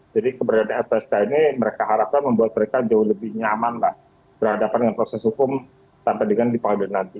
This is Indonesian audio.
jadi keberadaan lpsk ini mereka harapkan membuat mereka jauh lebih nyaman lah berhadapan dengan proses hukum sampai dengan dipanggil nanti